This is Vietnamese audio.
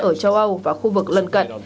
ở châu âu và khu vực lần cận